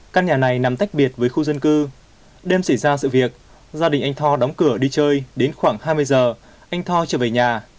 căn nhà này nằm tách biệt với khu dân cư đêm xảy ra sự việc gia đình anh tho đóng cửa đi chơi đến khoảng hai mươi giờ anh tho trở về nhà